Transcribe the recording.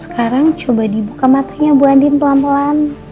sekarang coba dibuka mata bu andien pelan pelan